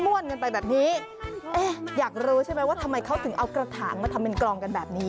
วนกันไปแบบนี้เอ๊ะอยากรู้ใช่ไหมว่าทำไมเขาถึงเอากระถางมาทำเป็นกลองกันแบบนี้